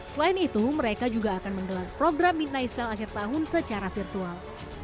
selain itu mereka juga akan menggelar program midnight sale akhir tahun secara virtual